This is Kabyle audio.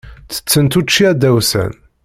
Ttettent učči adawsan.